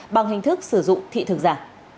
bằng hình thức sử dụng thị thực giả